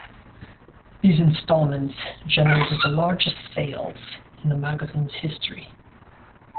These installments generated the largest sales in the magazine's history.